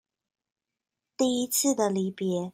第一次的離別